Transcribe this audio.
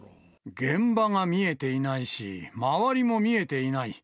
現場が見えていないし、周りも見えていない。